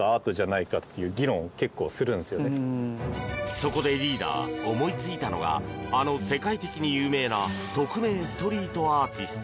そこでリーダー思いついたのがあの世界的に有名な匿名ストリートアーティスト。